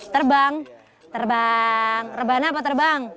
terbang terbang rebana apa terbang